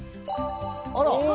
あら！